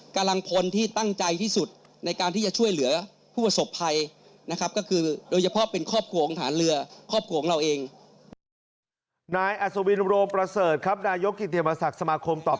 กำลังพลที่ตั้งใจที่สุดในการที่จะช่วยเหลือผู้ประสบภัยนะครับ